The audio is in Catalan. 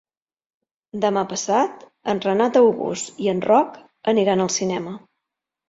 Demà passat en Renat August i en Roc aniran al cinema.